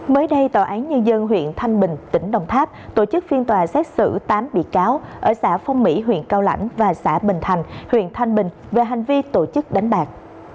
mới đây tòa án nhân dân huyện thanh bình tỉnh đồng tháp tổ chức phiên tòa xét xử tám bị cáo ở xã phong mỹ huyện cao lãnh và xã bình thành huyện thanh bình về hành vi tổ chức đánh bạc